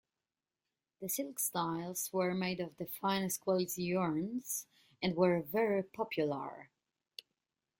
The silk styles were made of the finest quality yarns, and were very popular.